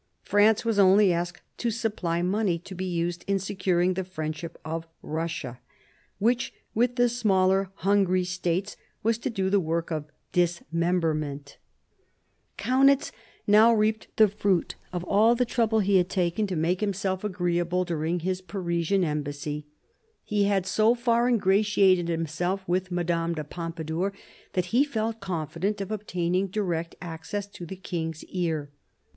France was only asked to supply money to be used in securing the friendship of Russia, which with the smaller hungry states was to do the work of dismemberment. 106 MARIA THERESA chap, v Kaunitz now reaped the fruit of all the trouble he had taken to make himself agreeable during his Parisian embassy ; he had so far ingratiated himself with Madame de Pompadour that he felt confident of obtaining direct access to the king's ear.